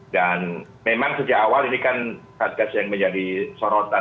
dan memang sejak awal ini kan satgasus yang menjadi sorotan